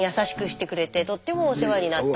とってもお世話になった。